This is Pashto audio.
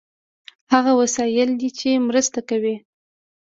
هغه وسایل دي چې مرسته کوي.